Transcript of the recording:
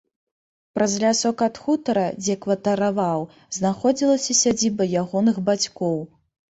Праз лясок ад хутара, дзе кватараваў, знаходзілася сядзіба ягоных бацькоў.